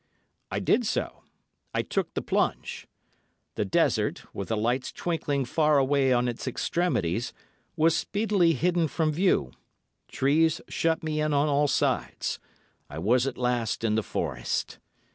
I did so—I took the plunge. The desert, with the lights twinkling far away on its extremities, was speedily hidden from view; trees shut me in on all sides; I was at last in the forest.